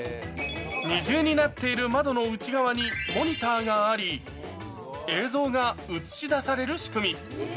二重になっている窓の内側にモニターがあり、映像が映し出される仕組み。